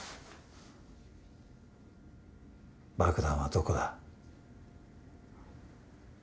爆弾はどこだ？